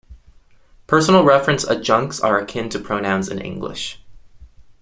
Personal-reference adjuncts are akin to pronouns in English.